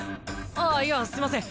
あっいやすいません